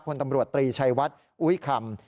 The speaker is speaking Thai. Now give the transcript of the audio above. พลตำรวจตรีชัยวัดอุ้ยคำ